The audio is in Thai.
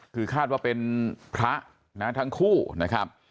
คือคาดว่าเป็นพระนะทั้งคู่นะครับ